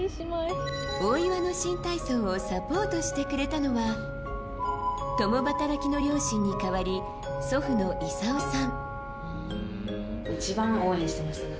大岩の新体操をサポートしてくれたのは共働きの両親に代わり祖父の勲さん。